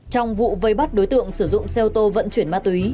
trong vụ vây bắt đối tượng sử dụng xe ô tô vận chuyển ma túy